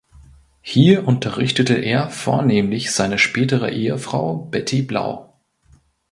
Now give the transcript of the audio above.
Hier unterrichtete er vornehmlich seine spätere Ehefrau Betty Blau.